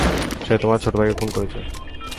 সে তোমার ছোট ভাইকে খুন করেছে।